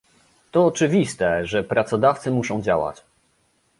To oczywiste, że prawodawcy muszą działać